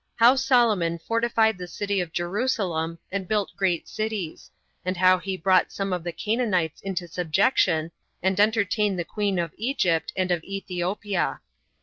How Solomon Fortified The City Of Jerusalem, And Built Great Cities; And How He Brought Some Of The Canaanites Into Subjection, And Entertained The Queen Of Egypt And Of Ethiopia.